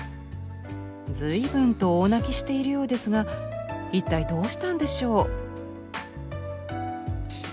随分と大泣きしているようですが一体どうしたんでしょう？